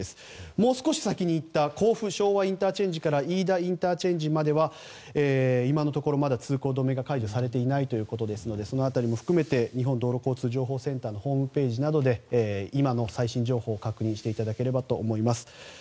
もう少し先に行った甲府昭和ＩＣから飯田ＩＣまでは今のところまだ通行止めが解除されていないということですのでその辺りも含めて日本道路交通情報センターのホームページなどで最新情報を確認していただければと思います。